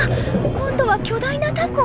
今度は巨大なタコ！？